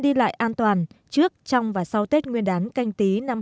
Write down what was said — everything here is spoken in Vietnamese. đi lại an toàn trước trong và sau tết nguyên đán canh tí năm hai nghìn hai mươi